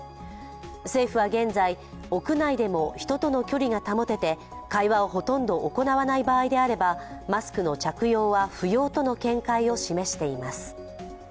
政府は現在、屋内でも人との距離が保てて会話をほとんど行わない場合であればマスクの着用は不要との見解を示しています。